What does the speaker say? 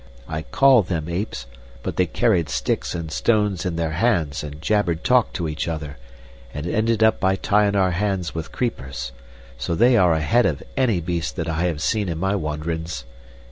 I call them apes, but they carried sticks and stones in their hands and jabbered talk to each other, and ended up by tyin' our hands with creepers, so they are ahead of any beast that I have seen in my wanderin's.